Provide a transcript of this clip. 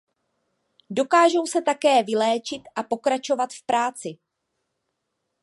Dokážou se také vyléčit a pokračovat v práci.